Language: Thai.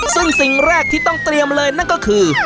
ซึ่งสิ่งแรกที่ต้องเตรียมเลยนั่นก็คือ